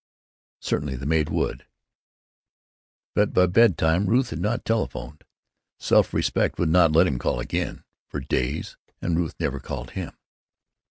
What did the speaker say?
Certainly the maid would. But by bedtime Ruth had not telephoned. Self respect would not let him call again, for days, and Ruth never called him.